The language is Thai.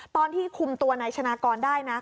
ตอนที่คุมตัวนายชนะกรได้นะ